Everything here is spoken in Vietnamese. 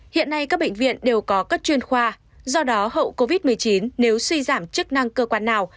hiện nay các bệnh viện đều có các chuyên khoa do đó hậu covid một mươi chín nếu suy giảm chức năng cơ quan nào